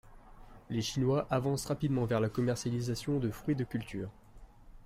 Les Chinois avancent rapidement vers la commercialisation de fruits de culture.